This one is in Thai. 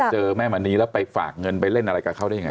เจอแม่มณีแล้วไปฝากเงินไปเล่นอะไรกับเขาได้ยังไง